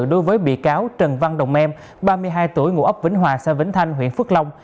đối với bị cáo trần văn đồng em ba mươi hai tuổi ngụ ấp vĩnh hòa xã vĩnh thanh huyện phước long